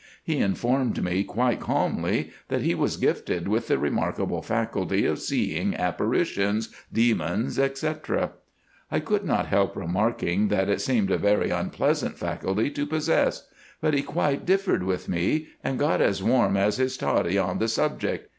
He informed me, quite calmly, that he was gifted with the remarkable faculty of seeing apparitions, demons, etc. I could not help remarking that it seemed a very unpleasant faculty to possess, but he quite differed with me, and got as warm as his toddy on the subject.